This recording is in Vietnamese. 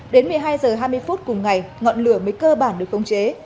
đến một mươi hai h hai mươi phút cùng ngày ngọn lửa mới cơ bản được khống chế